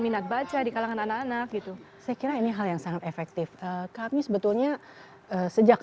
minat baca di kalangan anak anak gitu saya kira ini hal yang sangat efektif kami sebetulnya sejak